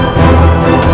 aku mau pergi